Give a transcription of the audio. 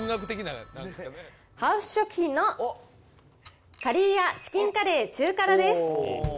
ハウス食品のかりー屋チキンカレー中辛です。